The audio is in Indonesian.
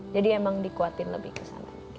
jadi emang dikuatin lebih kesana